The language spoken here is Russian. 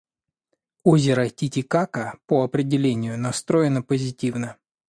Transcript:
Озеро Титикака, по определению, настроено позитивно.